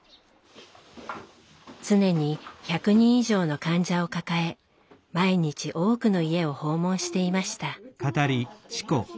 常に１００人以上の患者を抱え毎日多くの家を訪問していました。